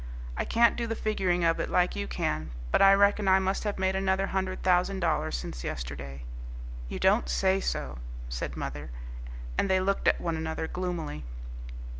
I can't do the figuring of it like you can, but I reckon I must have made another hundred thousand dollars since yesterday." "You don't say so!" said mother, and they looked at one another gloomily.